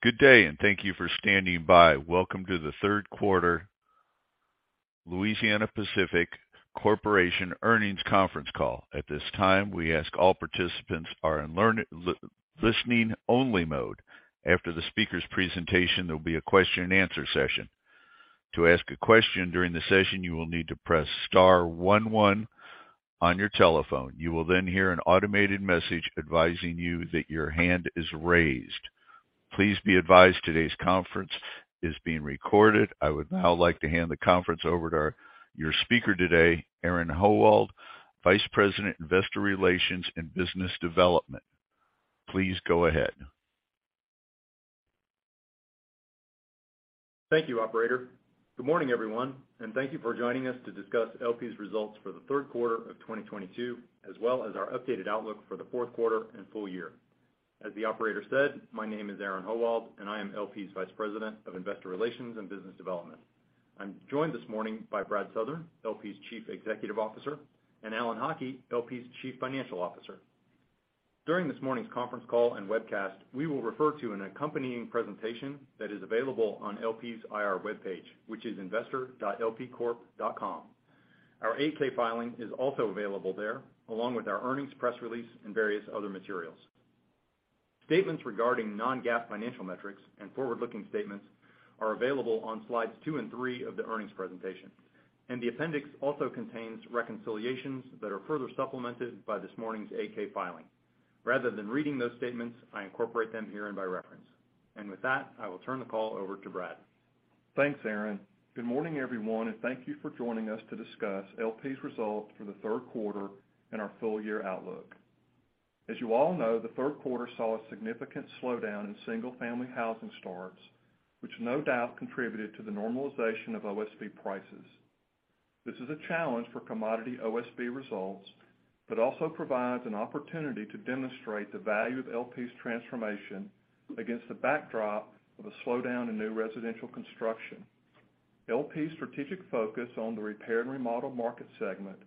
Good day, and thank you for standing by. Welcome to the third quarter Louisiana-Pacific Corporation earnings conference call. At this time, all participants are in listening only mode. After the speaker's presentation, there'll be a question and answer session. To ask a question during the session, you will need to press star one one on your telephone. You will then hear an automated message advising you that your hand is raised. Please be advised today's conference is being recorded. I would now like to hand the conference over to your speaker today, Aaron Howald, Vice President, Investor Relations and Business Development. Please go ahead. Thank you, operator. Good morning, everyone, and thank you for joining us to discuss LP's results for the third quarter of 2022, as well as our updated outlook for the fourth quarter and full year. As the operator said, my name is Aaron Howald, and I am LP's Vice President of Investor Relations and Business Development. I'm joined this morning by Brad Southern, LP's Chief Executive Officer, and Alan Haughie, LP's Chief Financial Officer. During this morning's conference call and webcast, we will refer to an accompanying presentation that is available on LP's IR webpage, which is investor.lpcorp.com. Our 8-K filing is also available there, along with our earnings press release and various other materials. Statements regarding Non-GAAP financial metrics and forward-looking statements are available on slides two and three of the earnings presentation. The appendix also contains reconciliations that are further supplemented by this morning's 8-K filing. Rather than reading those statements, I incorporate them herein by reference. With that, I will turn the call over to Brad. Thanks, Aaron. Good morning, everyone, and thank you for joining us to discuss LP's results for the third quarter and our full-year outlook. As you all know, the third quarter saw a significant slowdown in single-family housing starts, which no doubt contributed to the normalization of OSB prices. This is a challenge for commodity OSB results, but also provides an opportunity to demonstrate the value of LP's transformation against the backdrop of a slowdown in new residential construction. LP's strategic focus on the repair and remodel market segment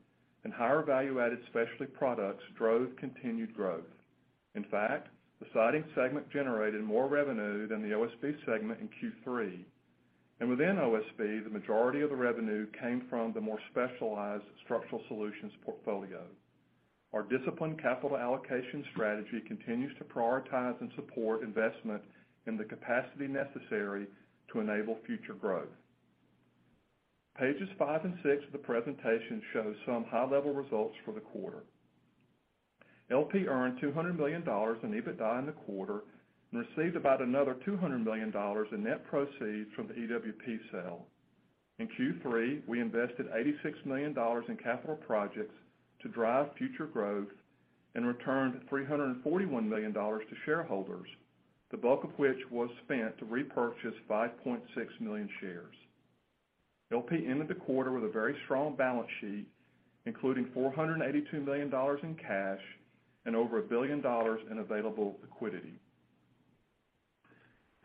and higher value-added specialty products drove continued growth. In fact, the siding segment generated more revenue than the OSB segment in Q3. Within OSB, the majority of the revenue came from the more specialized structural solutions portfolio. Our disciplined capital allocation strategy continues to prioritize and support investment in the capacity necessary to enable future growth. Pages five and six of the presentation show some high-level results for the quarter. LP earned $200 million in EBITDA in the quarter and received about another $200 million in net proceeds from the EWP sale. In Q3, we invested $86 million in capital projects to drive future growth and returned $341 million to shareholders, the bulk of which was spent to repurchase 5.6 million shares. LP ended the quarter with a very strong balance sheet, including $482 million in cash and over $1 billion in available liquidity.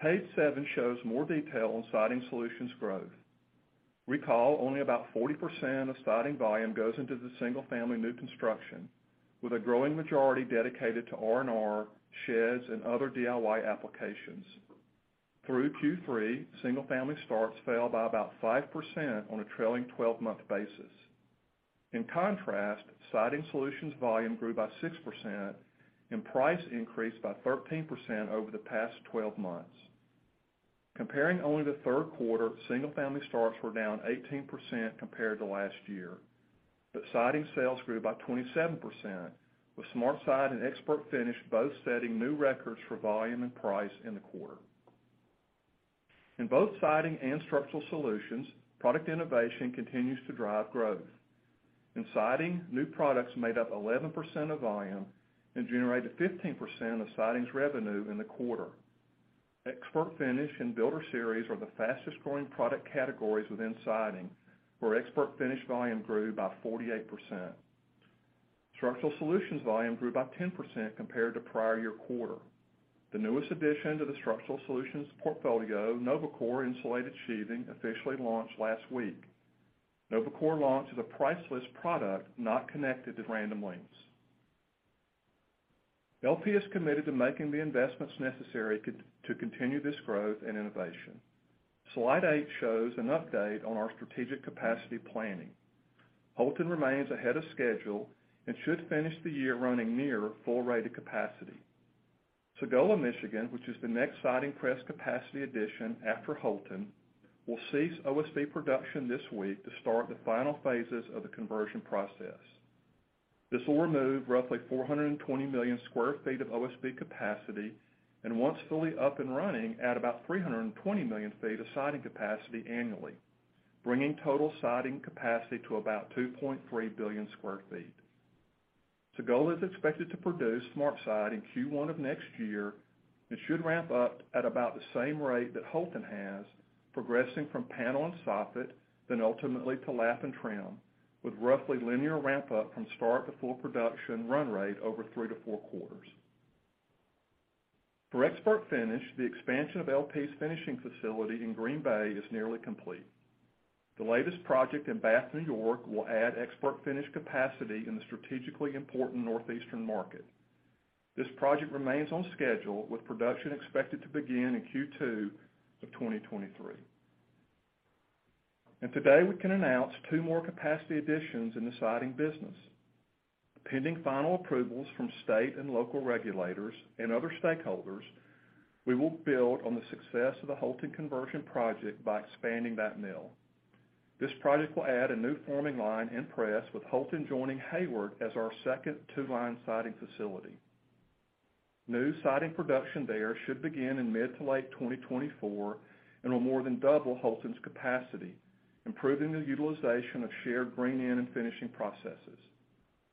Page seven shows more detail on Siding Solutions growth. Recall, only about 40% of Siding volume goes into the single-family new construction, with a growing majority dedicated to R&R, sheds, and other DIY applications. Through Q3, single-family starts fell by about 5% on a trailing twelve-month basis. In contrast, Siding Solutions volume grew by 6% and price increased by 13% over the past twelve months. Comparing only the third quarter, single-family starts were down 18% compared to last year, but Siding sales grew by 27%, with SmartSide and ExpertFinish both setting new records for volume and price in the quarter. In both Siding and Structural Solutions, product innovation continues to drive growth. In Siding, new products made up 11% of volume and generated 15% of Siding's revenue in the quarter. ExpertFinish and BuilderSeries are the fastest-growing product categories within Siding, where ExpertFinish volume grew by 48%. Structural Solutions volume grew by 10% compared to prior year quarter. The newest addition to the Structural Solutions portfolio, NovaCore Insulated Sheathing, officially launched last week. NovaCore launch is a priceless product not connected to random lengths. LP is committed to making the investments necessary to continue this growth and innovation. Slide 8 shows an update on our strategic capacity planning. Houlton remains ahead of schedule and should finish the year running near full rated capacity. Sagola, Michigan, which is the next Siding press capacity addition after Houlton, will cease OSB production this week to start the final phases of the conversion process. This will remove roughly 420 million sq ft of OSB capacity, and once fully up and running, add about 320 million sq ft of siding capacity annually, bringing total siding capacity to about 2.3 billion sq ft. Sagola is expected to produce SmartSide in Q1 of next year and should ramp up at about the same rate that Houlton has, progressing from panel and soffit, then ultimately to lap and trim, with roughly linear ramp-up from start to full production run rate over three to four quarters. For ExpertFinish, the expansion of LP's finishing facility in Green Bay is nearly complete. The latest project in Bath, New York will add ExpertFinish capacity in the strategically important Northeastern market. This project remains on schedule, with production expected to begin in Q2 of 2023. Today, we can announce two more capacity additions in the siding business. Pending final approvals from state and local regulators and other stakeholders, we will build on the success of the Houlton conversion project by expanding that mill. This project will add a new forming line and press, with Houlton joining Hayward as our second two-line siding facility. New siding production there should begin in mid- to late 2024 and will more than double Houlton's capacity, improving the utilization of shared green end and finishing processes.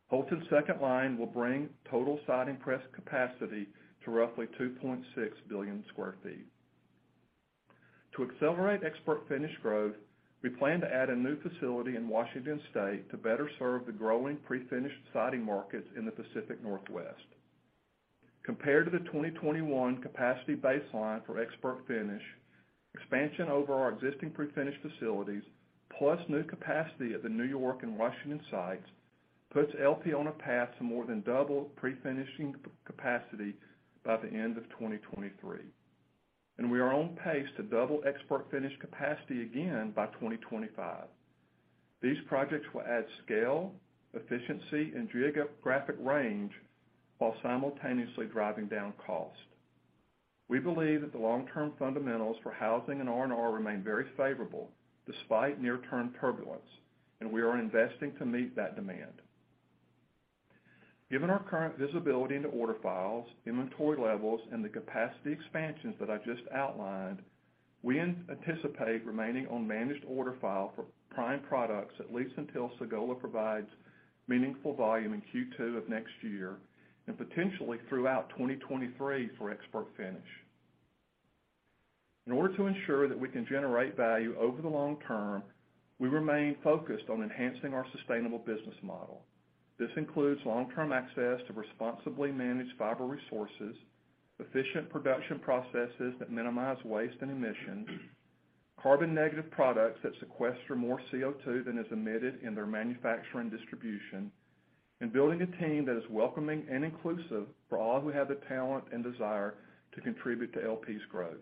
Houlton's second line will bring total siding press capacity to roughly 2.6 billion sq ft. To accelerate ExpertFinish growth, we plan to add a new facility in Washington State to better serve the growing pre-finished siding markets in the Pacific Northwest. Compared to the 2021 capacity baseline for ExpertFinish, expansion over our existing pre-finish facilities, plus new capacity at the New York and Washington sites, puts LP on a path to more than double pre-finishing capacity by the end of 2023. We are on pace to double ExpertFinish capacity again by 2025. These projects will add scale, efficiency, and geographic range while simultaneously driving down cost. We believe that the long-term fundamentals for housing and R&R remain very favorable despite near-term turbulence, and we are investing to meet that demand. Given our current visibility into order files, inventory levels, and the capacity expansions that I just outlined, we anticipate remaining on managed order file for prime products at least until Sagola provides meaningful volume in Q2 of next year, and potentially throughout 2023 for ExpertFinish. In order to ensure that we can generate value over the long term, we remain focused on enhancing our sustainable business model. This includes long-term access to responsibly managed fiber resources, efficient production processes that minimize waste and emissions, carbon-negative products that sequester more CO2 than is emitted in their manufacturing distribution, and building a team that is welcoming and inclusive for all who have the talent and desire to contribute to LP's growth.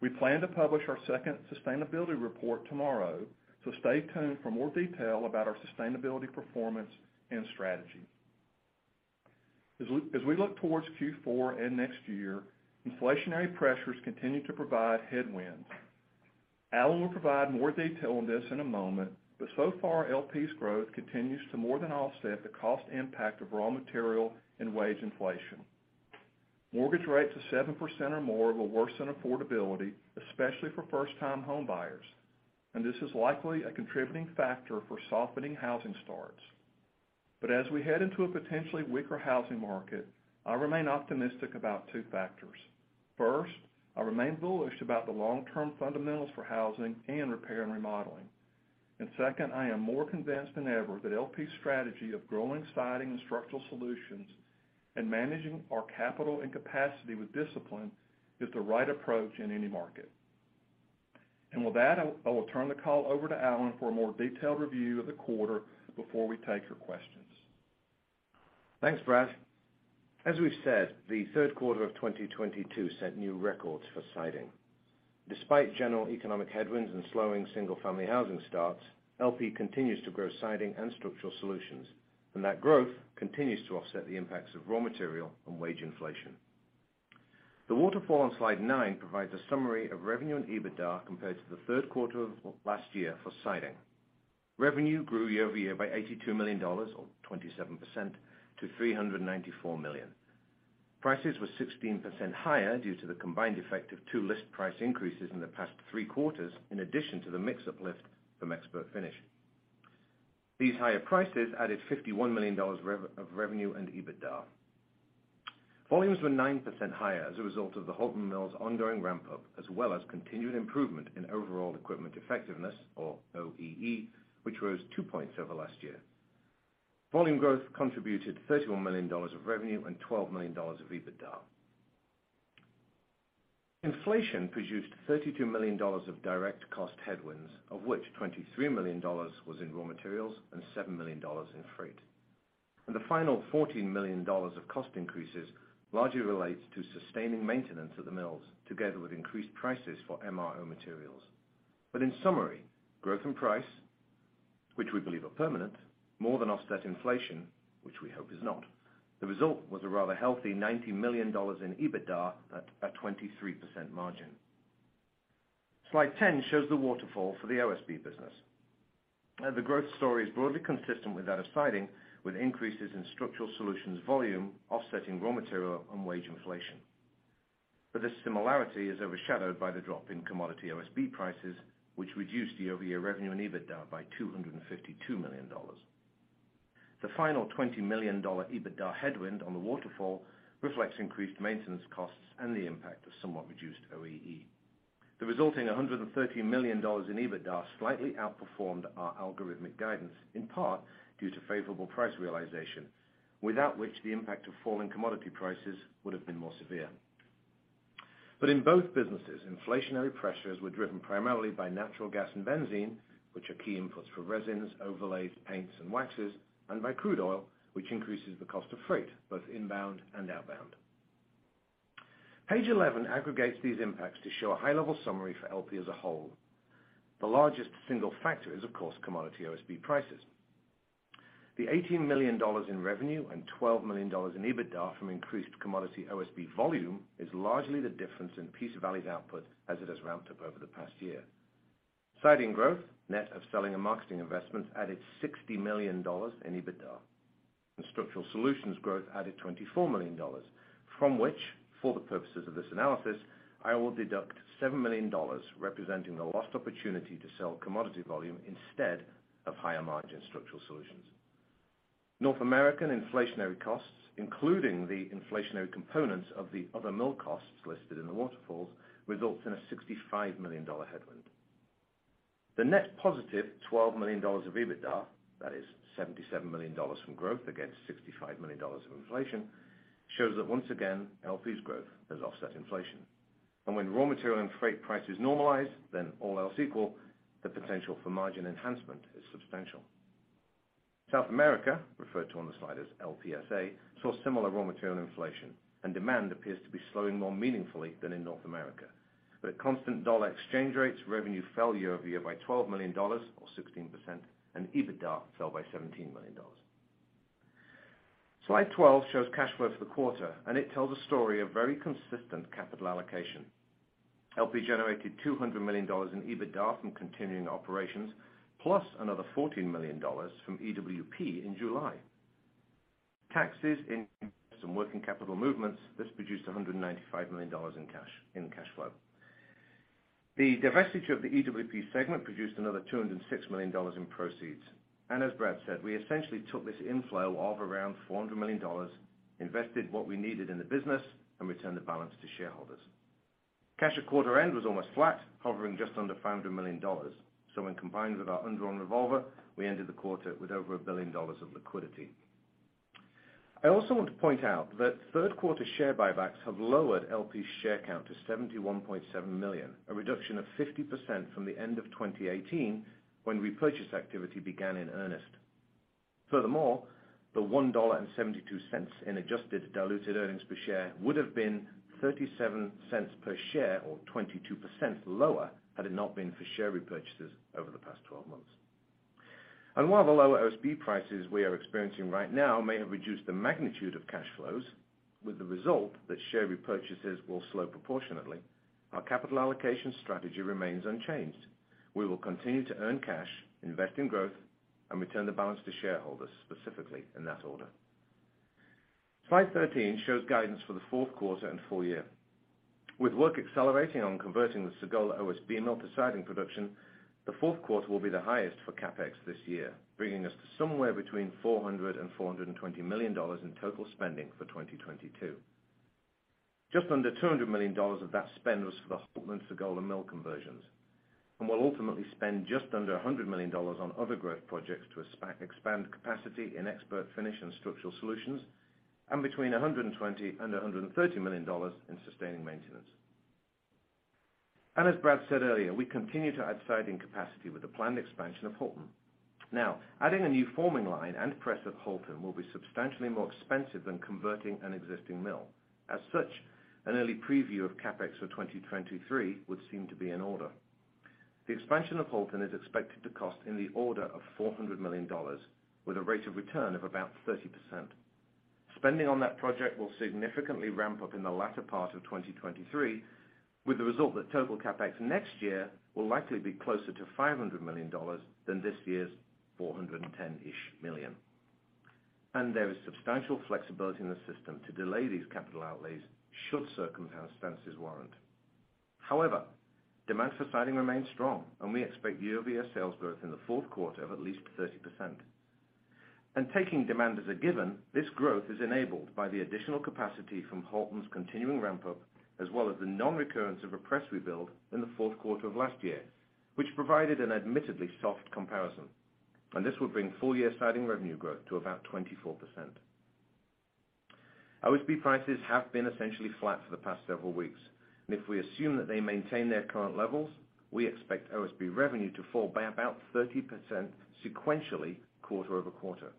We plan to publish our second sustainability report tomorrow, so stay tuned for more detail about our sustainability performance and strategy. As we look towards Q4 and next year, inflationary pressures continue to provide headwinds. Alan will provide more detail on this in a moment, but so far, LP's growth continues to more than offset the cost impact of raw material and wage inflation. Mortgage rates of 7% or more will worsen affordability, especially for first-time homebuyers, and this is likely a contributing factor for softening housing starts. As we head into a potentially weaker housing market, I remain optimistic about two factors. First, I remain bullish about the long-term fundamentals for housing and repair and remodeling. Second, I am more convinced than ever that LP's strategy of growing siding and structural solutions and managing our capital and capacity with discipline is the right approach in any market. With that, I will turn the call over to Alan for a more detailed review of the quarter before we take your questions. Thanks, Brad. As we've said, the third quarter of 2022 set new records for siding. Despite general economic headwinds and slowing single-family housing starts, LP continues to grow siding and structural solutions, and that growth continues to offset the impacts of raw material and wage inflation. The waterfall on slide nine provides a summary of revenue and EBITDA compared to the third quarter of last year for siding. Revenue grew year-over-year by $82 million or 27% to $394 million. Prices were 16% higher due to the combined effect of two list price increases in the past three quarters, in addition to the mix uplift from ExpertFinish. These higher prices added $51 million of revenue and EBITDA. Volumes were 9% higher as a result of the Houlton mill's ongoing ramp-up, as well as continued improvement in overall equipment effectiveness or OEE, which rose two points over last year. Volume growth contributed $31 million of revenue and $12 million of EBITDA. Inflation produced $32 million of direct cost headwinds, of which $23 million was in raw materials and $7 million in freight. The final $14 million of cost increases largely relates to sustaining maintenance at the mills together with increased prices for MRO materials. In summary, growth and price, which we believe are permanent, more than offset inflation, which we hope is not. The result was a rather healthy $90 million in EBITDA at a 23% margin. Slide 10 shows the waterfall for the OSB business. The growth story is broadly consistent with that of siding, with increases in structural solutions volume offsetting raw material and wage inflation. This similarity is overshadowed by the drop in commodity OSB prices, which reduced year-over-year revenue and EBITDA by $252 million. The final $20 million EBITDA headwind on the waterfall reflects increased maintenance costs and the impact of somewhat reduced OEE. The resulting $113 million in EBITDA slightly outperformed our algorithmic guidance, in part due to favorable price realization, without which the impact of falling commodity prices would have been more severe. In both businesses, inflationary pressures were driven primarily by natural gas and benzene, which are key inputs for resins, overlays, paints, and waxes, and by crude oil, which increases the cost of freight, both inbound and outbound. Page eleven aggregates these impacts to show a high-level summary for LP as a whole. The largest single factor is, of course, commodity OSB prices. The $18 million in revenue and $12 million in EBITDA from increased commodity OSB volume is largely the difference in Peace Valley's output as it has ramped up over the past year. Siding growth, net of selling and marketing investments, added $60 million in EBITDA, and structural solutions growth added $24 million, from which, for the purposes of this analysis, I will deduct $7 million, representing the lost opportunity to sell commodity volume instead of higher-margin structural solutions. North American inflationary costs, including the inflationary components of the other mill costs listed in the waterfalls, results in a $65 million headwind. The net positive $12 million of EBITDA, that is $77 million from growth against $65 million of inflation, shows that once again, LP's growth has offset inflation. When raw material and freight prices normalize, then all else equal, the potential for margin enhancement is substantial. South America, referred to on the slide as LPSA, saw similar raw material inflation, and demand appears to be slowing more meaningfully than in North America. At constant dollar exchange rates, revenue fell year-over-year by $12 million or 16%, and EBITDA fell by $17 million. Slide 12 shows cash flow for the quarter, and it tells a story of very consistent capital allocation. LP generated $200 million in EBITDA from continuing operations, plus another $14 million from EWP in July. Taxes and some working capital movements, this produced $195 million in cash, in cash flow. The divestiture of the EWP segment produced another $206 million in proceeds. As Brad said, we essentially took this inflow of around $400 million, invested what we needed in the business, and returned the balance to shareholders. Cash at quarter end was almost flat, hovering just under $500 million. When combined with our undrawn revolver, we ended the quarter with over $1 billion of liquidity. I also want to point out that third quarter share buybacks have lowered LP's share count to 71.7 million, a reduction of 50% from the end of 2018 when repurchase activity began in earnest. Furthermore, the $1.72 in adjusted diluted earnings per share would have been $0.37 per share or 22% lower had it not been for share repurchases over the past 12 months. While the lower OSB prices we are experiencing right now may have reduced the magnitude of cash flows, with the result that share repurchases will slow proportionately, our capital allocation strategy remains unchanged. We will continue to earn cash, invest in growth, and return the balance to shareholders, specifically in that order. Slide 13 shows guidance for the fourth quarter and full year. With work accelerating on converting the Sagola OSB mill to siding production, the fourth quarter will be the highest for CapEx this year, bringing us to somewhere between $400-$420 million in total spending for 2022. Just under $200 million of that spend was for the Houlton and Sagola mill conversions. We'll ultimately spend just under $100 million on other growth projects to expand capacity in ExpertFinish and Structural Solutions, and between $120 and $130 million in sustaining maintenance. As Brad said earlier, we continue to add siding capacity with the planned expansion of Houlton. Now, adding a new forming line and press at Houlton will be substantially more expensive than converting an existing mill. As such, an early preview of CapEx for 2023 would seem to be in order. The expansion of Houlton is expected to cost in the order of $400 million with a rate of return of about 30%. Spending on that project will significantly ramp up in the latter part of 2023, with the result that total CapEx next year will likely be closer to $500 million than this year's $410-ish million. There is substantial flexibility in the system to delay these capital outlays should circumstances warrant. However, demand for siding remains strong, and we expect year-over-year sales growth in the fourth quarter of at least 30%. Taking demand as a given, this growth is enabled by the additional capacity from Houlton's continuing ramp-up, as well as the non-recurrence of a press rebuild in the fourth quarter of last year, which provided an admittedly soft comparison. This will bring full-year siding revenue growth to about 24%. OSB prices have been essentially flat for the past several weeks, and if we assume that they maintain their current levels, we expect OSB revenue to fall by about 30% sequentially quarter-over-quarter.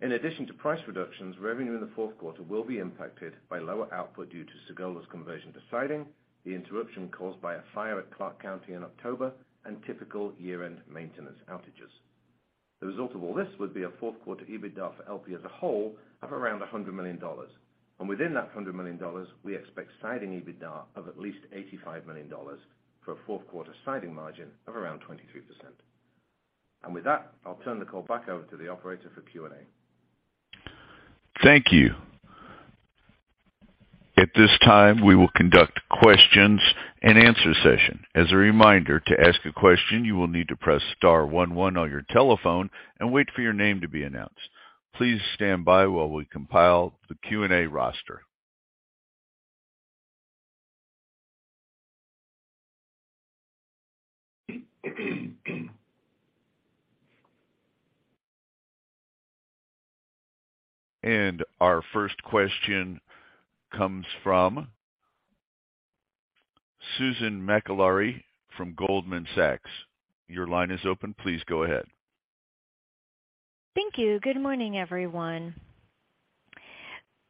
In addition to price reductions, revenue in the fourth quarter will be impacted by lower output due to Sagola's conversion to siding, the interruption caused by a fire at Clark County in October, and typical year-end maintenance outages. The result of all this would be a fourth quarter EBITDA for LP as a whole of around $100 million. Within that $100 million, we expect siding EBITDA of at least $85 million for a fourth quarter siding margin of around 23%. With that, I'll turn the call back over to the operator for Q&A. Thank you. At this time, we will conduct questions and answer session. As a reminder, to ask a question, you will need to press star one one on your telephone and wait for your name to be announced. Please stand by while we compile the Q&A roster. Our first question comes from Susan Maklari from Goldman Sachs. Your line is open. Please go ahead. Thank you. Good morning, everyone.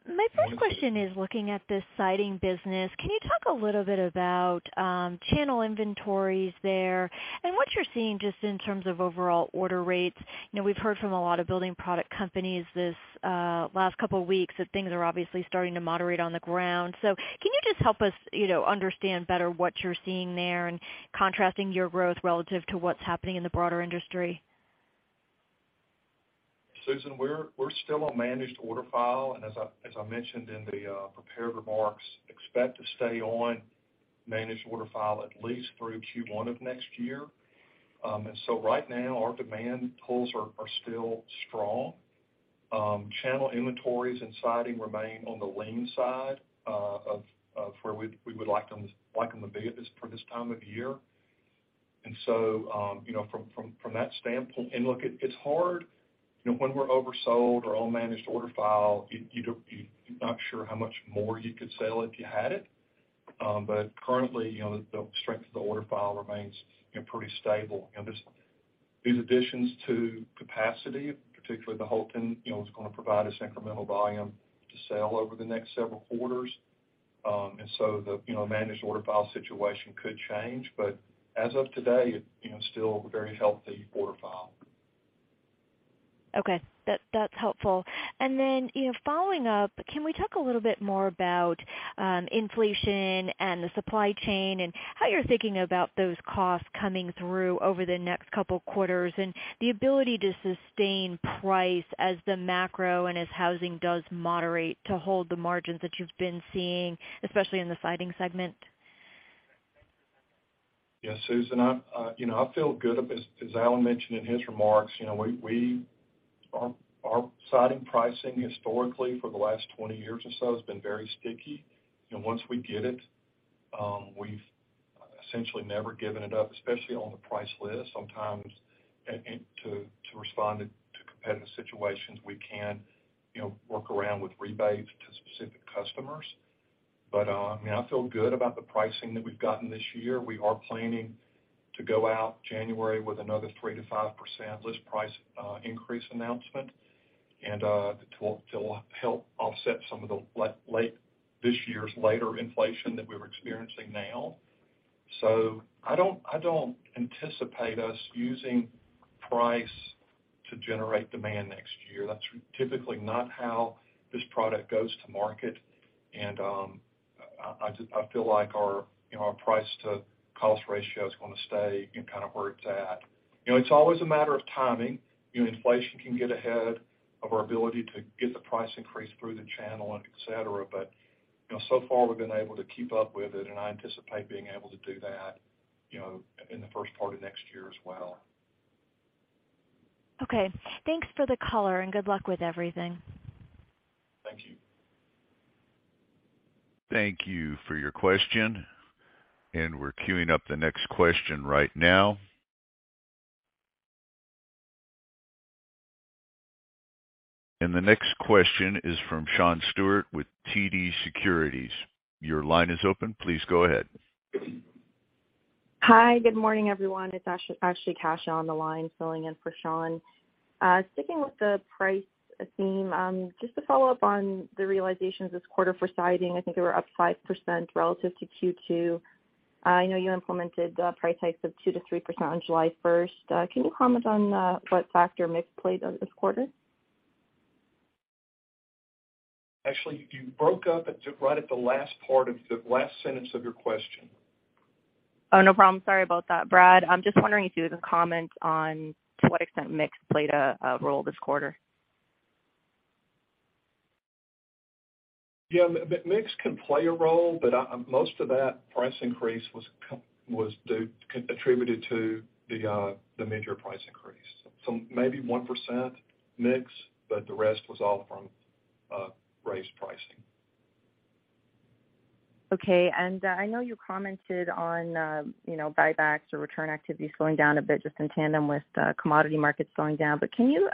My first question is looking at the siding business. Can you talk a little bit about channel inventories there and what you're seeing just in terms of overall order rates? You know, we've heard from a lot of building product companies this last couple of weeks that things are obviously starting to moderate on the ground. Can you just help us, you know, understand better what you're seeing there and contrasting your growth relative to what's happening in the broader industry? Susan, we're still on managed order file, and as I mentioned in the prepared remarks, expect to stay on managed order file at least through Q1 of next year. Right now, our demand pulls are still strong. Channel inventories and siding remain on the lean side of where we would like them to be for this time of year. You know, from that standpoint and look, it's hard, you know, when we're oversold or on managed order file, you're not sure how much more you could sell if you had it. Currently, you know, the strength of the order file remains, you know, pretty stable. You know, there's these additions to capacity, particularly the Houlton, you know, is gonna provide us incremental volume to sell over the next several quarters. The, you know, managed order file situation could change, but as of today, you know, still very healthy order file. Okay. That's helpful. You know, following up, can we talk a little bit more about inflation and the supply chain and how you're thinking about those costs coming through over the next couple quarters, and the ability to sustain price as the macro and as housing does moderate to hold the margins that you've been seeing, especially in the siding segment? Yeah, Susan, you know, I feel good. As Alan mentioned in his remarks, you know, our siding pricing historically for the last 20 years or so has been very sticky. You know, once we get it, we've essentially never given it up, especially on the price list. Sometimes and to respond to competitive situations, we can, you know, work around with rebates to specific customers. But, I mean, I feel good about the pricing that we've gotten this year. We are planning to go out January with another 3%-5% list price increase announcement, and to help offset some of the late this year's later inflation that we're experiencing now. I don't anticipate us using price to generate demand next year. That's typically not how this product goes to market. I feel like our, you know, our price to cost ratio is gonna stay, you know, kind of where it's at. You know, it's always a matter of timing. You know, inflation can get ahead of our ability to get the price increase through the channel, et cetera. You know, so far, we've been able to keep up with it, and I anticipate being able to do that, you know, in the first part of next year as well. Okay. Thanks for the color, and good luck with everything. Thank you. Thank you for your question, and we're queuing up the next question right now. The next question is from Sean Steuart with TD Securities. Your line is open. Please go ahead. Hi. Good morning, everyone. It's Ashley Casia on the line filling in for Sean Steuart. Sticking with the price theme, just to follow up on the realizations this quarter for siding, I think they were up 5% relative to Q2. I know you implemented price hikes of 2%-3% on July first. Can you comment on what factor mix played this quarter? Ashley, you broke up right at the last part of the last sentence of your question. Oh, no problem. Sorry about that, Brad. I'm just wondering if you would comment on to what extent mix played a role this quarter. Yeah. Mix can play a role, but most of that price increase was attributed to the major price increase. Maybe 1% mix, but the rest was all from raised pricing. Okay. I know you commented on, you know, buybacks or return activity slowing down a bit just in tandem with the commodity markets slowing down. Can you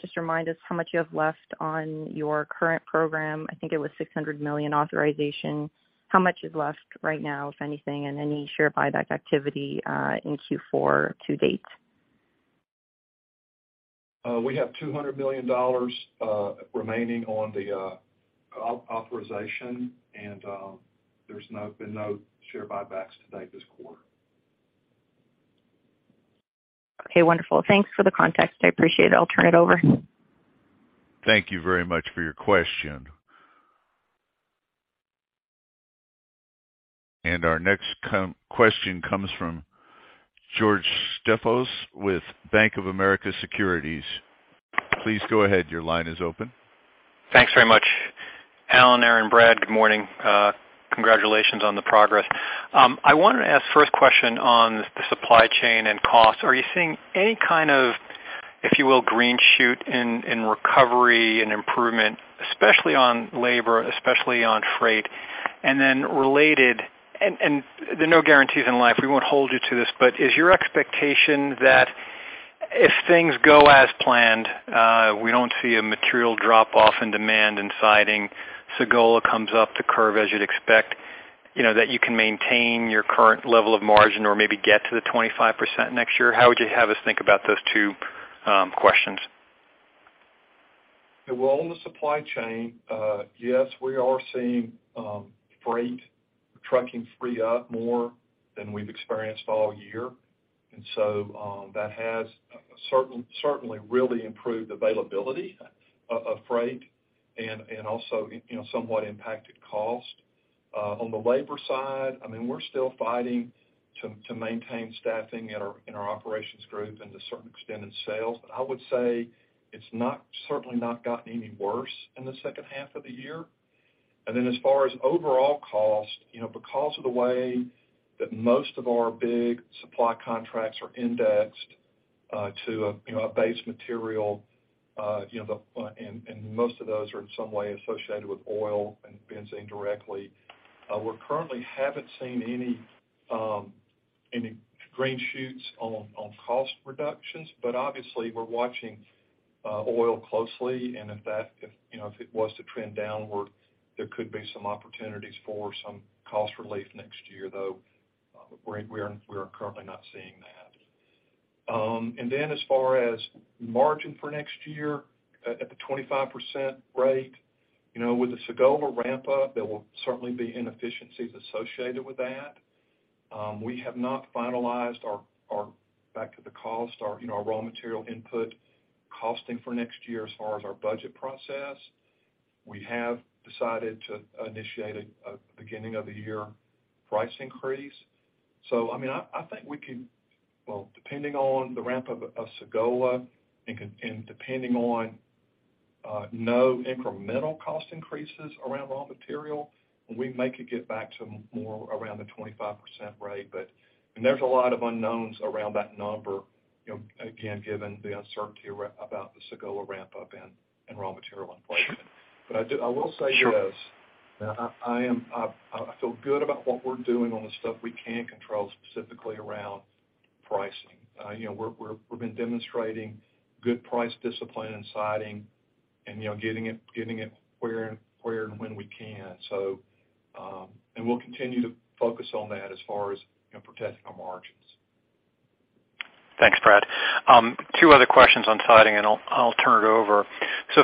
just remind us how much you have left on your current program? I think it was $600 million authorization. How much is left right now, if anything, and any share buyback activity in Q4 to date? We have $200 million remaining on the authorization, and there's been no share buybacks to date this quarter. Okay, wonderful. Thanks for the context. I appreciate it. I'll turn it over. Thank you very much for your question. Our next question comes from George Staphos with Bank of America Securities. Please go ahead. Your line is open. Thanks very much. Alan, Aaron, Brad, good morning. Congratulations on the progress. I wanted to ask first question on the supply chain and costs. Are you seeing any kind of, if you will, green shoot in recovery and improvement, especially on labor, especially on freight? Then related, and there are no guarantees in life, we won't hold you to this, but is your expectation that if things go as planned, we don't see a material drop-off in demand in siding, Sagola comes up to curve as you'd expect, you know, that you can maintain your current level of margin or maybe get to the 25% next year? How would you have us think about those two questions? Yeah, well, on the supply chain, yes, we are seeing freight trucking free up more than we've experienced all year. That has certainly really improved availability of freight and also, you know, somewhat impacted cost. On the labor side, I mean, we're still fighting to maintain staffing in our operations group and to a certain extent in sales. I would say it's certainly not gotten any worse in the second half of the year. As far as overall cost, you know, because of the way that most of our big supply contracts are indexed to a, you know, a base material, you know, and most of those are in some way associated with oil and benzene directly, we currently haven't seen any green shoots on cost reductions, but obviously we're watching oil closely, and if that, if, you know, if it was to trend downward, there could be some opportunities for some cost relief next year, though, we are currently not seeing that. As far as margin for next year at the 25% rate, you know, with the Sagola ramp up, there will certainly be inefficiencies associated with that. We have not finalized our back to the cost, our, you know, our raw material input costing for next year as far as our budget process. We have decided to initiate a beginning of the year price increase. I mean, I think we can. Well, depending on the ramp of Sagola and depending on no incremental cost increases around raw material, we make it get back to more around the 25% rate. There's a lot of unknowns around that number, you know, again, given the uncertainty about the Sagola ramp up and raw material inflation. I will say this. I feel good about what we're doing on the stuff we can control, specifically around pricing. You know, we've been demonstrating good price discipline in siding and, you know, getting it where and when we can. We'll continue to focus on that as far as, you know, protecting our margins. Thanks, Brad. Two other questions on siding, and I'll turn it over.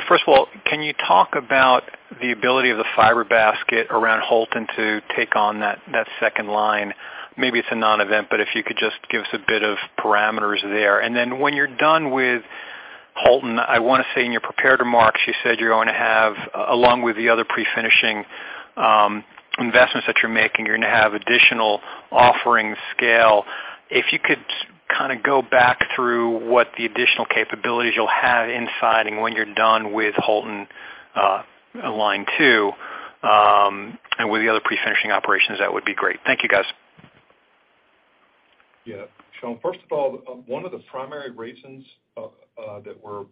First of all, can you talk about the ability of the fiber basket around Houlton to take on that second line? Maybe it's a non-event, but if you could just give us a bit of parameters there. Then when you're done with Houlton, I wanna say in your prepared remarks, you said you're going to have, along with the other pre-finishing investments that you're making, you're gonna have additional offering scale. If you could kind of go back through what the additional capabilities you'll have in siding when you're done with Houlton line two and with the other pre-finishing operations, that would be great. Thank you, guys. Yeah. Sean, first of all, one of the primary reasons that we're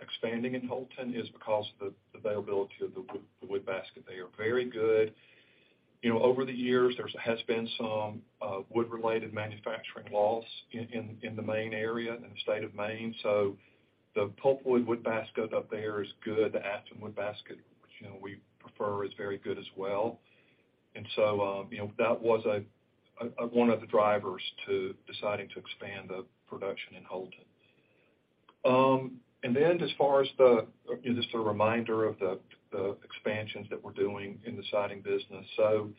expanding in Houlton is because the availability of the wood, the wood basket. They are very good. You know, over the years, there has been some wood-related manufacturing loss in the Maine area, in the state of Maine. The pulpwood wood basket up there is good. The Aspen wood basket, which, you know, we prefer, is very good as well. You know, that was one of the drivers to deciding to expand the production in Houlton. As far as you know, just a reminder of the expansions that we're doing in the siding business, so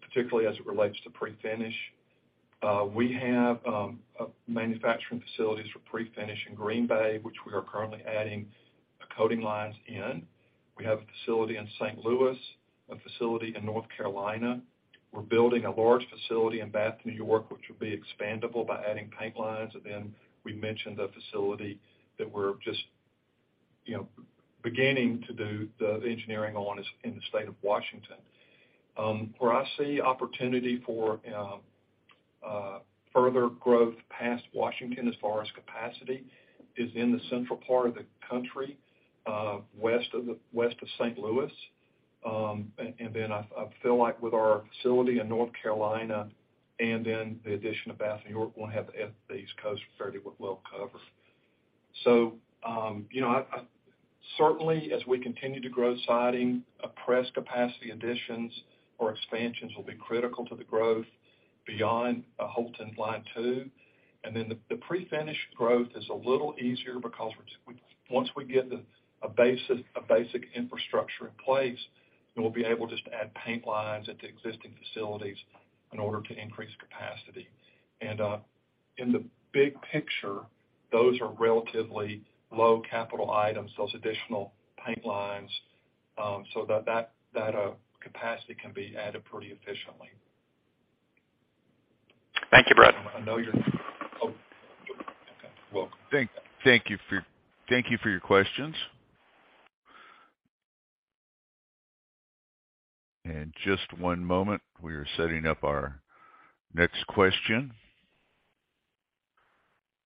particularly as it relates to pre-finish, we have manufacturing facilities for pre-finish in Green Bay, which we are currently adding coating lines in. We have a facility in St. Louis, a facility in North Carolina. We're building a large facility in Bath, New York, which will be expandable by adding paint lines. We mentioned a facility that we're just, you know, beginning to do the engineering on is in the state of Washington, where I see opportunity for further growth past Washington as far as capacity is in the central part of the country, west of St. Louis. I feel like with our facility in North Carolina and then the addition of Bath, New York, we'll have the East Coast fairly well covered. You know, certainly as we continue to grow siding, press capacity additions or expansions will be critical to the growth beyond Houlton line two. The pre-finish growth is a little easier because once we get a basic infrastructure in place, then we'll be able just to add paint lines at the existing facilities in order to increase capacity. In the big picture, those are relatively low capital items, those additional paint lines, so that capacity can be added pretty efficiently. Thank you, Brad. I know you're- Oh. Okay. Thank you for your questions. Just one moment. We are setting up our next question.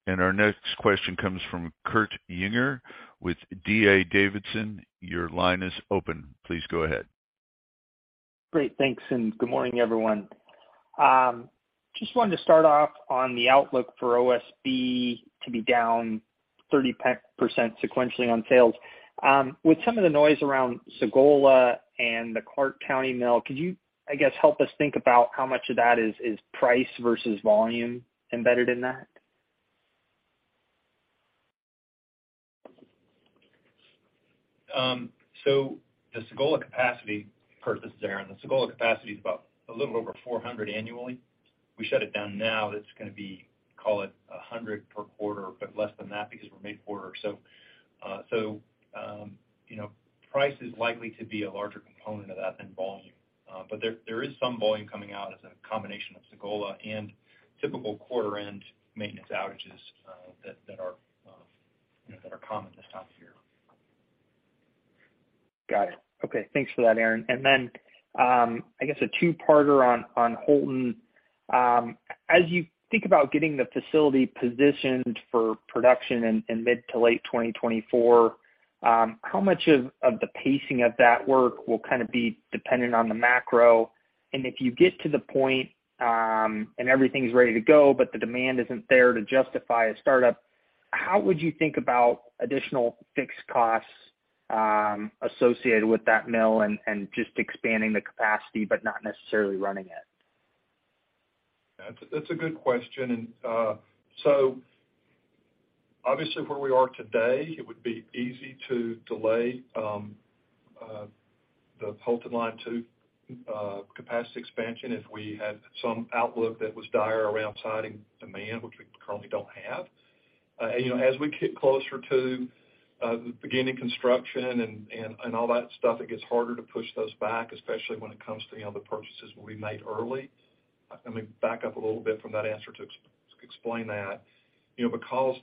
Our next question comes from Kurt Yinger with D.A. Davidson. Your line is open. Please go ahead. Great. Thanks, and good morning, everyone. Just wanted to start off on the outlook for OSB to be down 30% sequentially on sales. With some of the noise around Sagola and the Clark County Mill, could you, I guess, help us think about how much of that is price versus volume embedded in that? Kurt, this is Aaron. The Sagola capacity is about a little over 400 annually. We shut it down now, it's gonna be, call it, 100 per quarter, but less than that because we're mid-quarter. You know, price is likely to be a larger component of that than volume. But there is some volume coming out as a combination of Sagola and typical quarter end maintenance outages that are, you know, common this time of year. Got it. Okay, thanks for that, Aaron. I guess a two-parter on Houlton. As you think about getting the facility positioned for production in mid to late 2024, how much of the pacing of that work will kind of be dependent on the macro? If you get to the point, and everything's ready to go, but the demand isn't there to justify a startup, how would you think about additional fixed costs, associated with that mill and just expanding the capacity but not necessarily running it? That's a good question. Obviously where we are today, it would be easy to delay the Houlton line two capacity expansion if we had some outlook that was dire around siding demand, which we currently don't have. You know, as we get closer to beginning construction and all that stuff, it gets harder to push those back, especially when it comes to the other purchases we made early. Let me back up a little bit from that answer to explain that. You know, because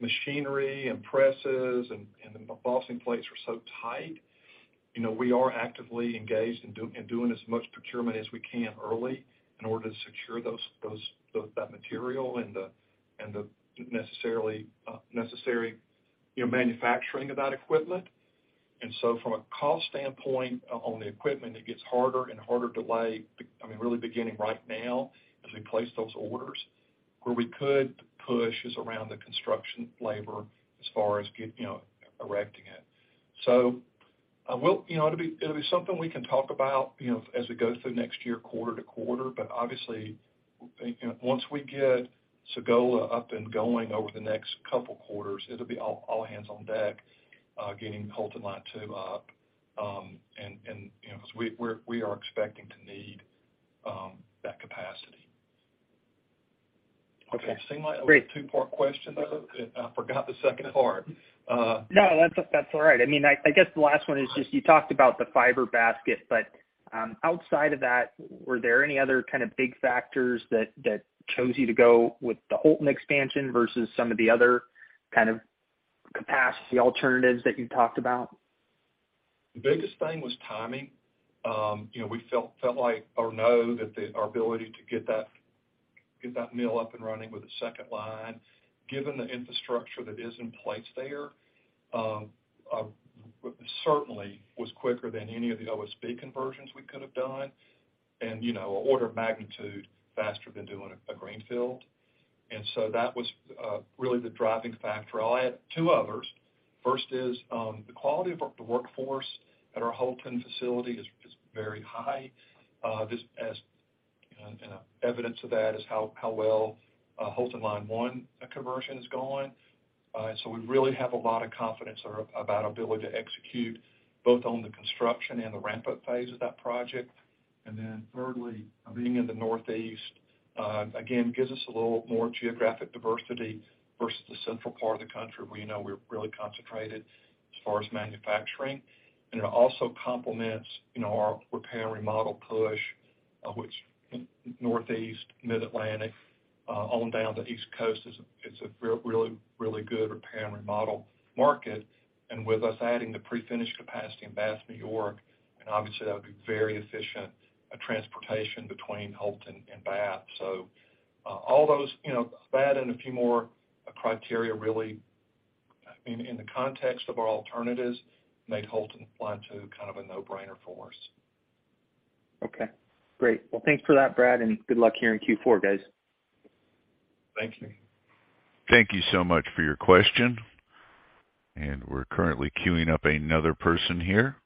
machinery and presses and embossing plates are so tight, you know, we are actively engaged in doing as much procurement as we can early in order to secure those that material and the necessary manufacturing of that equipment. From a cost standpoint on the equipment, it gets harder and harder. I mean, really beginning right now as we place those orders. Where we could push is around the construction labor as far as getting, you know, erecting it. I will. You know, it'll be something we can talk about, you know, as it goes through next year, quarter to quarter. Obviously, you know, once we get Sagola up and going over the next couple quarters, it'll be all hands on deck, getting Houlton line two up, and, you know, so we're expecting to need that capacity. Okay, great. It seemed like a two-part question. I forgot the second part. No, that's all right. I mean, I guess the last one is just you talked about the fiber basket, but outside of that, were there any other kind of big factors that caused you to go with the Houlton expansion versus some of the other kind of capacity alternatives that you talked about? The biggest thing was timing. You know, we felt like or know that our ability to get that mill up and running with a second line, given the infrastructure that is in place there, was certainly quicker than any of the OSB conversions we could have done and, you know, order of magnitude faster than doing a greenfield. That was really the driving factor. I'll add two others. First is the quality of the workforce at our Houlton facility is very high. Evidence of that is how well Houlton line one conversion is going. We really have a lot of confidence about our ability to execute both on the construction and the ramp-up phase of that project. Then thirdly, being in the Northeast, again, gives us a little more geographic diversity versus the central part of the country where you know we're really concentrated as far as manufacturing. It also complements, you know, our repair and remodel push, which Northeast, Mid-Atlantic, on down to East Coast is, it's a really good repair and remodel market. With us adding the prefinished capacity in Bath, New York, and obviously that would be very efficient, transportation between Houlton and Bath. All those, you know, that and a few more criteria really, I mean, in the context of our alternatives, made Houlton line two kind of a no-brainer for us. Okay, great. Well, thanks for that, Brad, and good luck here in Q4, guys. Thank you. Thank you so much for your question, and we're currently queuing up another person here.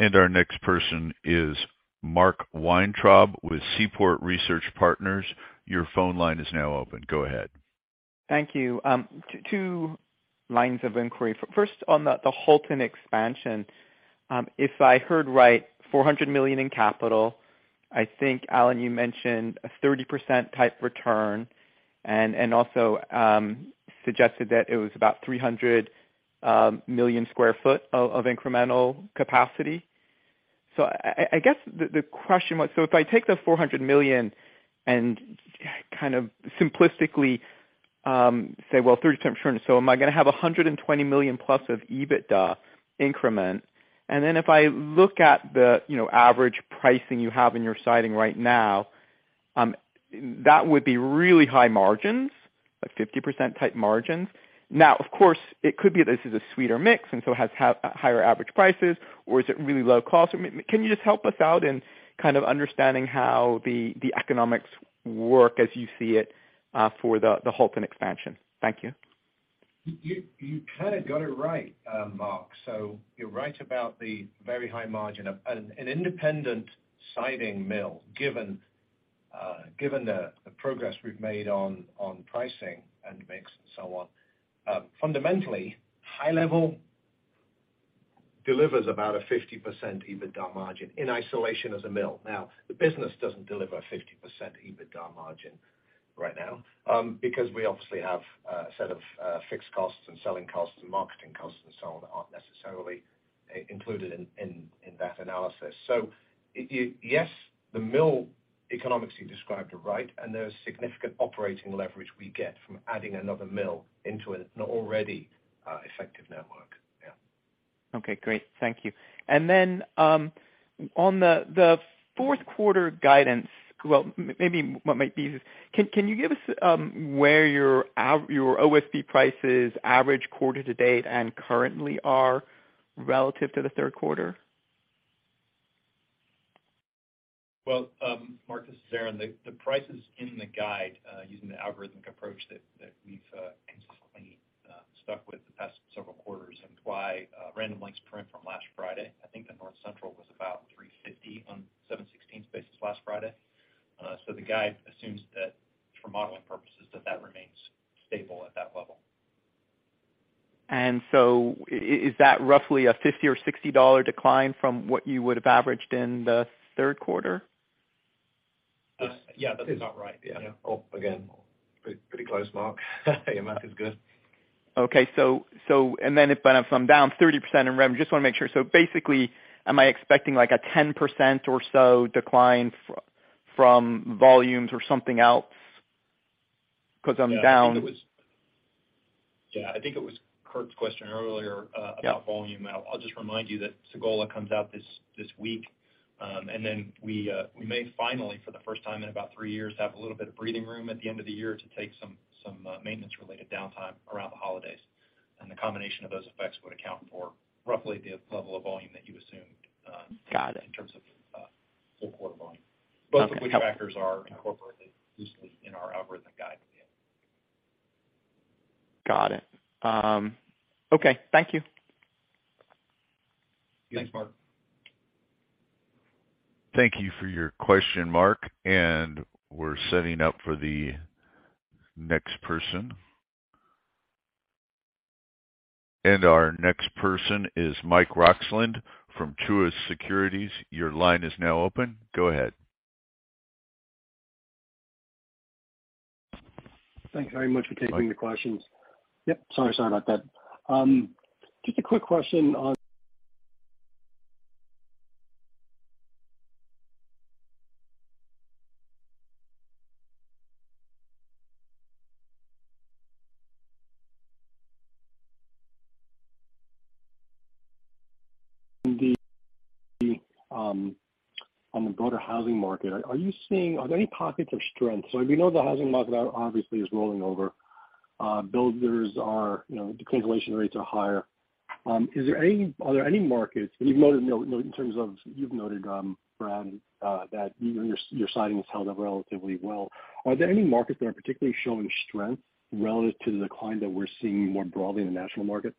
Our next person is Mark Weintraub with Seaport Research Partners. Your phone line is now open. Go ahead. Thank you. Two lines of inquiry. First, on the Houlton expansion, if I heard right, $400 million in CapEx. I think, Alan, you mentioned a 30% type return and also suggested that it was about 300 million sq ft of incremental capacity. I guess the question was, if I take the $400 million and kind of simplistically say, well, 30% return. Am I gonna have $120 million+ of EBITDA increment? And then if I look at the, you know, average pricing you have in your siding right now, that would be really high margins, like 50% type margins. Now, of course, it could be this is a sweeter mix and so has higher average prices or is it really low cost. I mean, can you just help us out in kind of understanding how the economics work as you see it, for the Houlton expansion? Thank you. You kind of got it right, Mark. You're right about the very high margin. An independent siding mill, given the progress we've made on pricing and mix and so on, fundamentally, high level delivers about a 50% EBITDA margin in isolation as a mill. Now, the business doesn't deliver 50% EBITDA margin right now, because we obviously have a set of fixed costs and selling costs and marketing costs and so on that aren't necessarily included in that analysis. Yes, the mill economics you described are right, and there's significant operating leverage we get from adding another mill into an already effective network. Okay, great. Thank you. On the fourth quarter guidance, well, maybe what might be is can you give us where your OSB prices average quarter to date and currently are relative to the third quarter? Well, Mark, this is Aaron. The prices in the guide, using the algorithmic approach that we've consistently stuck with the past several quarters and random lengths print from last Friday, I think the North Central was about $350 on 7/16 basis last Friday. So the guide assumes that for modeling purposes that remains stable at that level. Is that roughly a $50 or $60 decline from what you would have averaged in the third quarter? Yeah, that is about right. Yeah. Again, pretty close, Mark. Your math is good. Okay. If I'm down 30% in revenue, just want to make sure. Basically, am I expecting like a 10% or so decline from volumes or something else? Because I'm down. Yeah, I think it was Kurt's question earlier about volume. Yeah. I'll just remind you that Sagola comes out this week. Then we may finally, for the first time in about three years, have a little bit of breathing room at the end of the year to take some maintenance related downtime around the holidays. The combination of those effects would account for roughly the level of volume that you assumed. Got it. in terms of support volume. Both of which factors are incorporated loosely in our algorithmic guide. Got it. Okay. Thank you. Thanks, Mark. Thank you for your question, Mark, and we're setting up for the next person. Our next person is Michael Roxland from Truist Securities. Your line is now open. Go ahead. Thanks very much for taking the questions. Yep, sorry about that. Just a quick question on the broader housing market. Are there any pockets of strength? We know the housing market obviously is rolling over. Builders are, you know, the cancellation rates are higher. Are there any markets you've noted, Brad, that your siding has held up relatively well. Are there any markets that are particularly showing strength relative to the decline that we're seeing more broadly in the national market?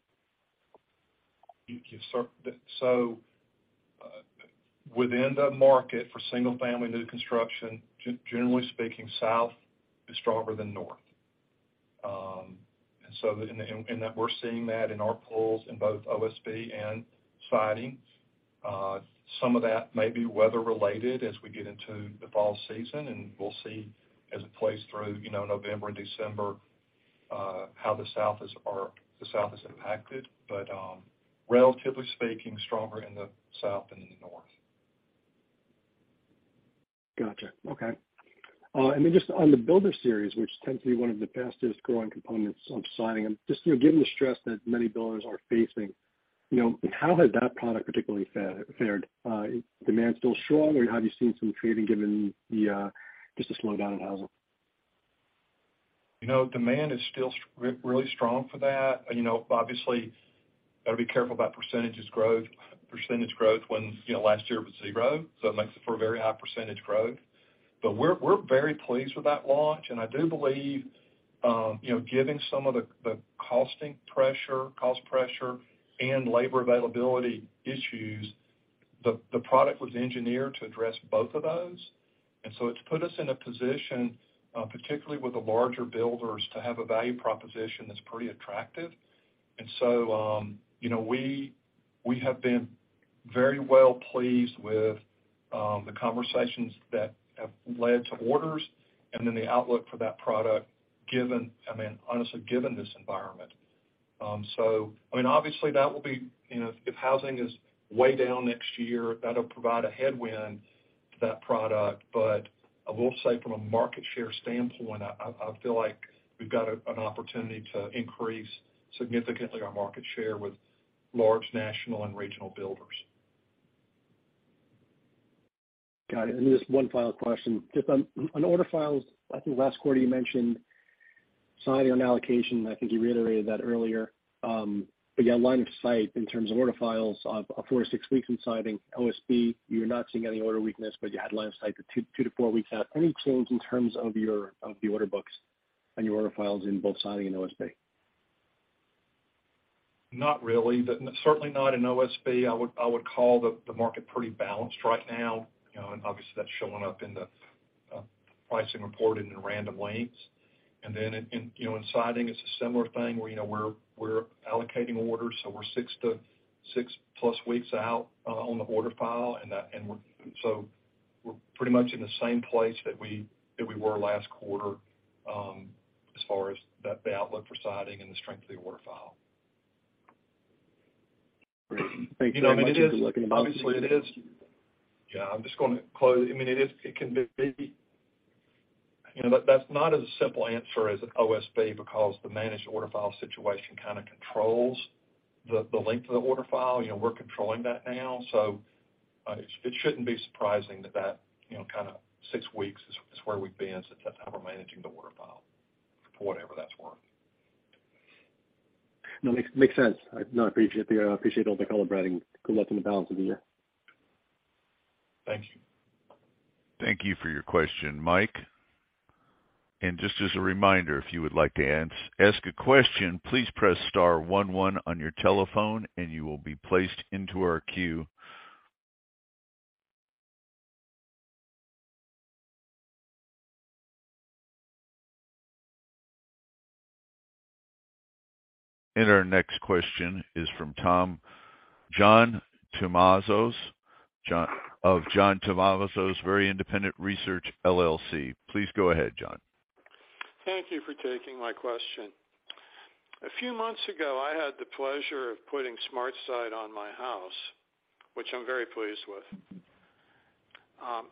Yes, sir. Within the market for single-family new construction, generally speaking, South is stronger than North. That we're seeing that in our pools in both OSB and siding. Some of that may be weather related as we get into the fall season, and we'll see as it plays through, you know, November, December, how the South is impacted, but relatively speaking, stronger in the South than in the North. Gotcha. Okay. Just on the BuilderSeries, which tends to be one of the fastest growing components of siding, just, you know, given the stress that many builders are facing, you know, how has that product particularly fared? Demand still strong, or have you seen some trading given the just the slowdown in housing? You know, demand is still really strong for that. You know, obviously, got to be careful about percentage growth when, you know, last year was zero, so it makes it for a very high percentage growth. We're very pleased with that launch. I do believe, you know, given some of the cost pressure and labor availability issues, the product was engineered to address both of those. It's put us in a position, particularly with the larger builders, to have a value proposition that's pretty attractive. You know, we have been very well pleased with the conversations that have led to orders and then the outlook for that product given, I mean, honestly, given this environment. I mean, obviously that will be, you know, if housing is way down next year, that'll provide a headwind to that product. I will say from a market share standpoint, I feel like we've got an opportunity to increase significantly our market share with large national and regional builders. Got it. Just one final question. Just on order files, I think last quarter you mentioned siding on allocation, and I think you reiterated that earlier. But yeah, line of sight in terms of order files of four, six weeks in siding, OSB, you're not seeing any order weakness, but you had line of sight to two to four weeks out. Any change in terms of your order books on your order files in both siding and OSB? Not really. Certainly not in OSB. I would call the market pretty balanced right now. You know, obviously, that's showing up in the pricing reported in random lengths. In siding, it's a similar thing where, you know, we're allocating orders, so we're six to six plus weeks out on the order file, and that. We're pretty much in the same place that we were last quarter, as far as the outlook for siding and the strength of the order file. Great. Thank you very much. You know, it is. Obviously, it is. Yeah, I'm just gonna close. I mean, it is. It can be. You know, that's not as simple an answer as OSB because the managed order file situation kind of controls the length of the order file. You know, we're controlling that now, so it shouldn't be surprising that you know, kind of six weeks is where we've been since that's how we're managing the order file, for whatever that's worth. No, makes sense. No, I appreciate all the color, Brad. Good luck on the balance of the year. Thank you. Thank you for your question, Mike. Just as a reminder, if you would like to ask a question, please press star one one on your telephone, and you will be placed into our queue. Our next question is from John Tumazos of John Tumazos Very Independent Research, LLC. Please go ahead, John. Thank you for taking my question. A few months ago, I had the pleasure of putting SmartSide on my house, which I'm very pleased with.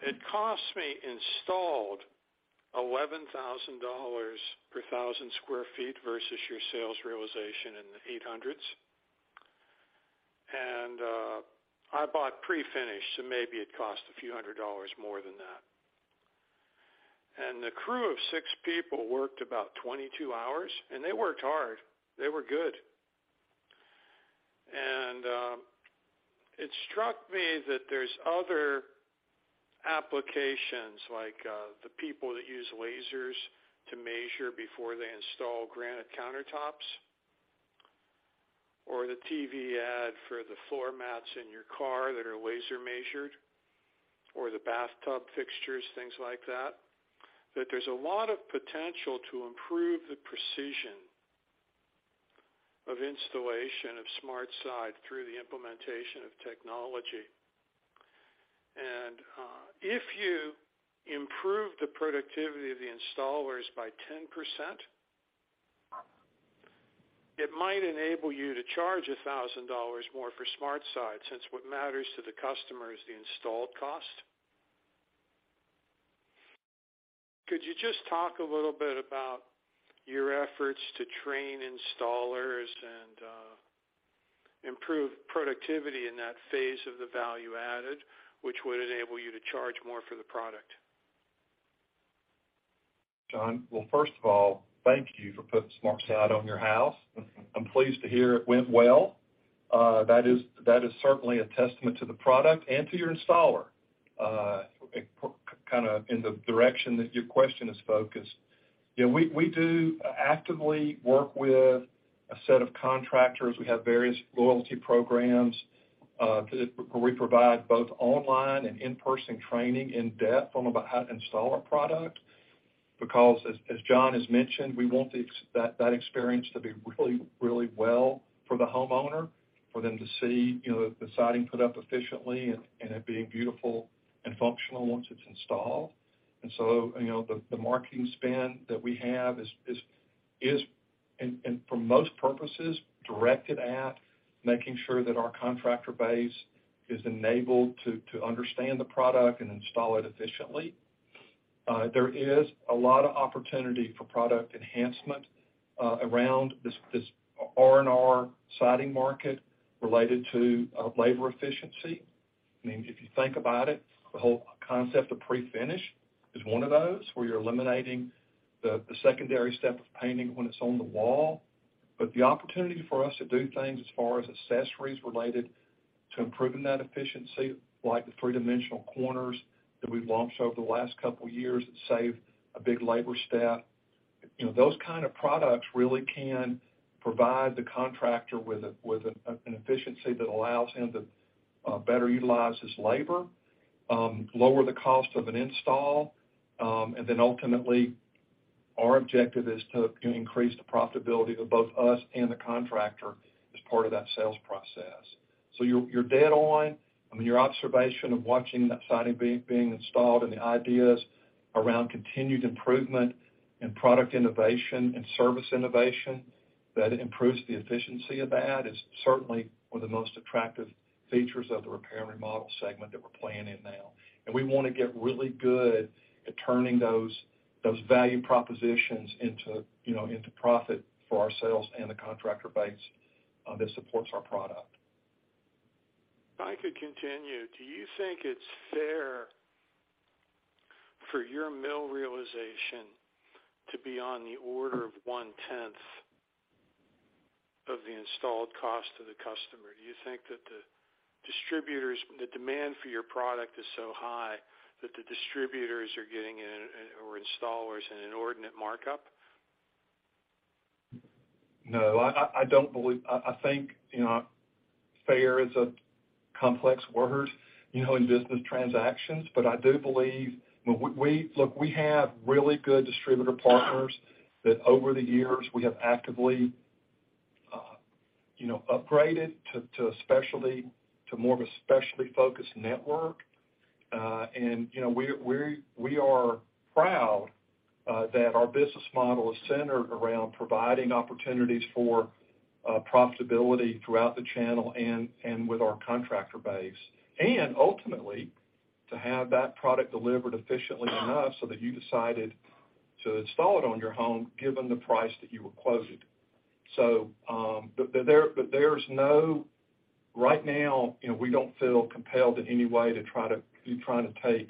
It cost me installed $11,000 per 1,000 sq ft versus your sales realization in the 800s. I bought pre-finished, so maybe it cost a few hundred dollars more than that. The crew of six people worked about 22 hours, and they worked hard. They were good. It struck me that there's other applications, like, the people that use lasers to measure before they install granite countertops or the TV ad for the floor mats in your car that are laser measured, or the bathtub fixtures, things like that there's a lot of potential to improve the precision of installation of SmartSide through the implementation of technology. If you improve the productivity of the installers by 10%, it might enable you to charge $1,000 more for SmartSide, since what matters to the customer is the installed cost. Could you just talk a little bit about your efforts to train installers and improve productivity in that phase of the value added, which would enable you to charge more for the product? John, well, first of all, thank you for putting SmartSide on your house. I'm pleased to hear it went well. That is certainly a testament to the product and to your installer, kind of in the direction that your question is focused. Yeah, we do actively work with a set of contractors. We have various loyalty programs where we provide both online and in-person training in-depth on about how to install our product, because as John has mentioned, we want that experience to be really well for the homeowner, for them to see, you know, the siding put up efficiently and it being beautiful and functional once it's installed. You know, the marketing spend that we have is for most purposes directed at making sure that our contractor base is enabled to understand the product and install it efficiently. There is a lot of opportunity for product enhancement around this R&R siding market related to labor efficiency. I mean, if you think about it, the whole concept of pre-finish is one of those where you're eliminating the secondary step of painting when it's on the wall. The opportunity for us to do things as far as accessories related to improving that efficiency, like the three-dimensional corners that we've launched over the last couple years that save a big labor step. You know, those kind of products really can provide the contractor with an efficiency that allows him to better utilize his labor, lower the cost of an install, and then ultimately, our objective is to increase the profitability of both us and the contractor as part of that sales process. You're dead on. I mean, your observation of watching that siding being installed and the ideas around continued improvement and product innovation and service innovation that improves the efficiency of that is certainly one of the most attractive features of the repair and remodel segment that we're playing in now. We wanna get really good at turning those value propositions into, you know, into profit for our sales and the contractor base that supports our product. If I could continue, do you think it's fair for your mill realization to be on the order of one-tenth of the installed cost to the customer? Do you think that the demand for your product is so high that the distributors are getting an, or installers, an inordinate markup? No, I don't believe. I think, you know, fair is a complex word, you know, in business transactions. I do believe. Look, we have really good distributor partners that over the years we have actively, you know, upgraded to a specialty, to more of a specialty-focused network. We are proud that our business model is centered around providing opportunities for profitability throughout the channel and with our contractor base. Ultimately, to have that product delivered efficiently enough so that you decided to install it on your home, given the price that you were quoted. Right now, you know, we don't feel compelled in any way to try to take,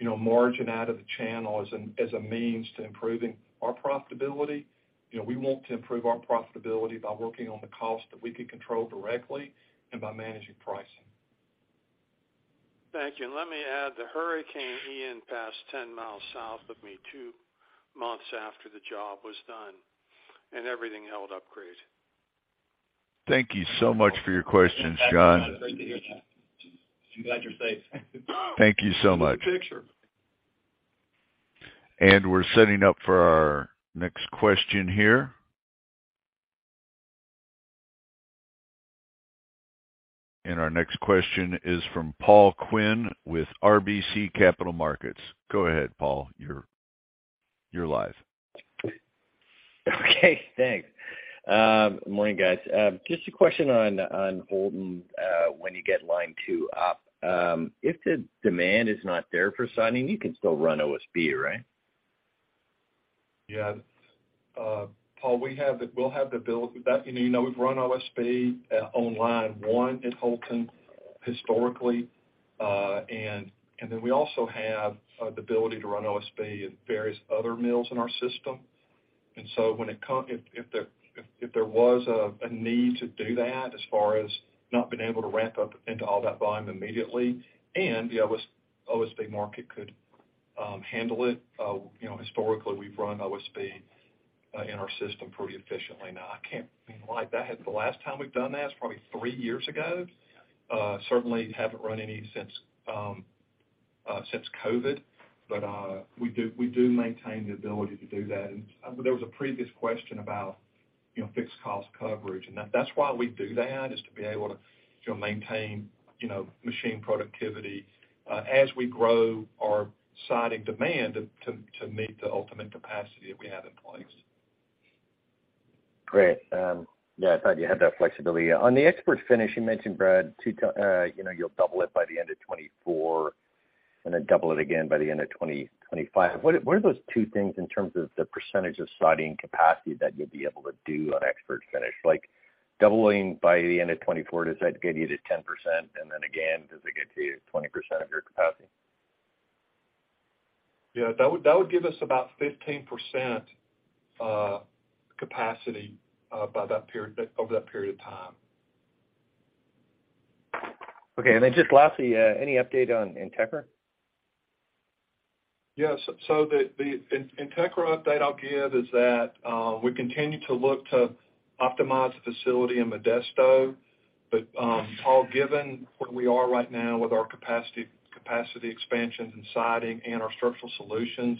you know, margin out of the channel as a means to improving our profitability. You know, we want to improve our profitability by working on the cost that we can control directly and by managing pricing. Thank you. Let me add, the Hurricane Ian passed 10 miles south of me two months after the job was done, and everything held up great. Thank you so much for your questions, John. Great to hear that. Glad you're safe. Thank you so much. Take a picture. We're setting up for our next question here. Our next question is from Paul Quinn with RBC Capital Markets. Go ahead, Paul. You're live. Okay, thanks. Good morning, guys. Just a question on Houlton, when you get line two up. If the demand is not there for siding, you can still run OSB, right? Yeah. Paul, that you know, we've run OSB on line one at Houlton historically. We also have the ability to run OSB at various other mills in our system. If there was a need to do that as far as not being able to ramp up into all that volume immediately, and the OSB market could handle it, you know, historically, we've run OSB in our system pretty efficiently. No, I mean like that. The last time we've done that is probably three years ago. Certainly haven't run any since COVID, but we do maintain the ability to do that. There was a previous question about, you know, fixed cost coverage, and that's why we do that, is to be able to, you know, maintain, you know, machine productivity, as we grow our siding demand to meet the ultimate capacity that we have in place. Great. Yeah, I thought you had that flexibility. On the ExpertFinish, you mentioned, Brad, you know, you'll double it by the end of 2024 and then double it again by the end of 2025. What are those two things in terms of the percentage of siding capacity that you'll be able to do on ExpertFinish? Like, doubling by the end of 2024, does that get you to 10%? And then again, does it get you to 20% of your capacity? Yeah, that would give us about 15% capacity by that period over that period of time. Okay. Just lastly, any update on Integra? Yes. The Integra update I'll give is that we continue to look to optimize the facility in Modesto. Paul, given where we are right now with our capacity expansions in siding and our structural solutions,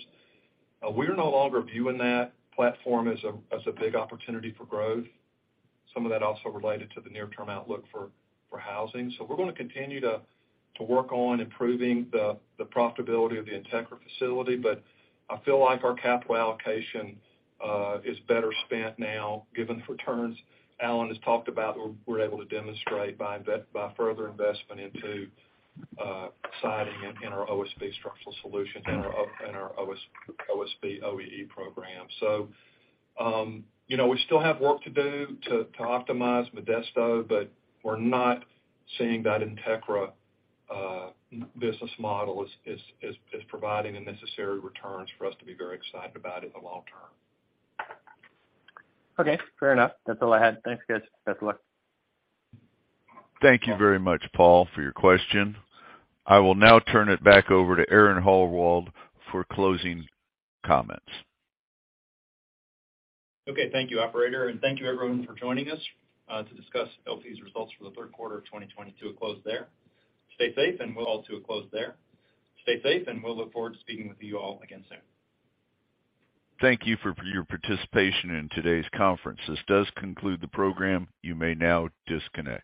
we are no longer viewing that platform as a big opportunity for growth. Some of that also related to the near-term outlook for housing. We're gonna continue to work on improving the profitability of the Integra facility, but I feel like our capital allocation is better spent now given the returns Alan has talked about we're able to demonstrate by further investment into siding and our OSB structural solution and our OSB OEE program. You know, we still have work to do to optimize Modesto, but we're not seeing that Integra business model is providing the necessary returns for us to be very excited about in the long term. Okay, fair enough. That's all I had. Thanks, guys. Best of luck. Thank you very much, Paul, for your question. I will now turn it back over to Aaron Howald for closing comments. Okay. Thank you, operator. Thank you everyone for joining us to discuss LP's results for the third quarter of 2022. We'll close there. Stay safe, and we'll look forward to speaking with you all again soon. Thank you for your participation in today's conference. This does conclude the program. You may now disconnect.